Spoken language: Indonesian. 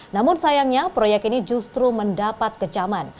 namun sayangnya proyek ini justru mendapat kecaman